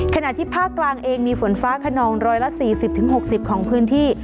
ขณะที่ภาคกลางเองมีฝนฟ้าขนองร้อยละสี่สิบถึงหกสิบของพื้นที่